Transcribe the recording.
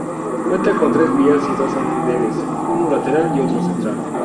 Cuenta con tres vías y dos andenes, uno lateral y otro central.